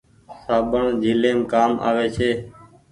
سابڻ جھليم ڪآم آوي ڇي۔